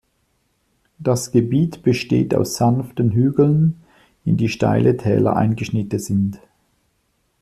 Das Gebiet besteht aus sanften Hügeln, in die steile Täler eingeschnitten sind.